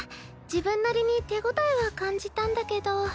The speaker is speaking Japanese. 自分なりに手応えは感じたんだけど。